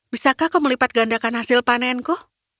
bisakah kau melipatgandakan hasil panenku